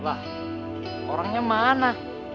lah orangnya mana